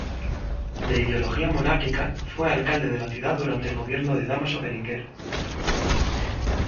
De ideología monárquica, fue alcalde de la ciudad durante el gobierno de Dámaso Berenguer.